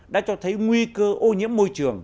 đã cho thấy nguy cơ ô nhiễm môi trường